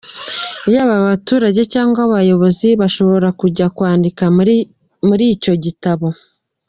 Yaba abaturage cyangwa abayobozi bashobora kujya kwandika muri icyo gitabo.